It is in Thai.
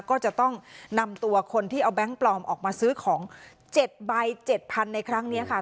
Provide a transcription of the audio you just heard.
ก็จะต้องนำตัวคนที่เอาแบงค์ปลอมออกมาซื้อของ๗ใบ๗๐๐ในครั้งนี้ค่ะ